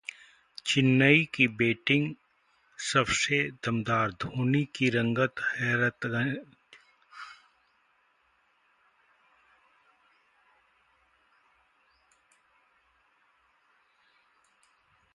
'चेन्नई की बैटिंग सबसे दमदार, धोनी की रंगत हैरतअंगेज'